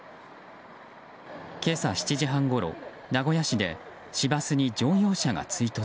今朝７時半ごろ、名古屋市で市バスに乗用車が追突。